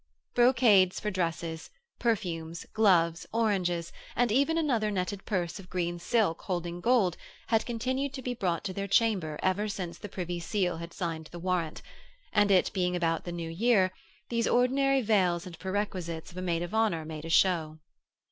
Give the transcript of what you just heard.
Brocades for dresses, perfumes, gloves, oranges, and even another netted purse of green silk holding gold had continued to be brought to their chamber ever since Privy Seal had signed the warrant, and, it being about the new year, these ordinary vails and perquisites of a Maid of Honour made a show.